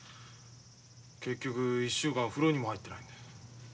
結局１週間風呂にも入ってないんだ。